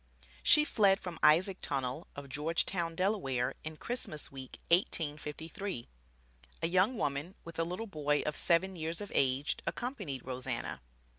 She fled from Isaac Tonnell of Georgetown, Delaware, in Christmas week, 1853. A young woman with a little boy of seven years of age accompanied Rose Anna.